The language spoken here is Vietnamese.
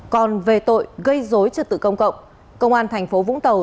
còn về tội gây dối trật tự công cộng công an thành phố vũng tàu